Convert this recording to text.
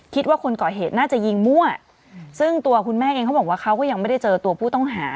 คนก่อเหตุน่าจะยิงมั่วซึ่งตัวคุณแม่เองเขาบอกว่าเขาก็ยังไม่ได้เจอตัวผู้ต้องหา